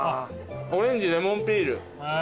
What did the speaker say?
オレンジレモンピール。